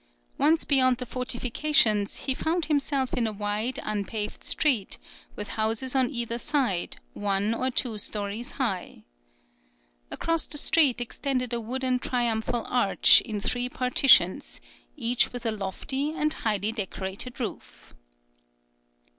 Once beyond the fortifications, he found himself in a wide unpaved street, with houses on either side, one or two stories high. Across the street extended a wooden triumphal arch in three partitions, each with a lofty and highly decorated roof.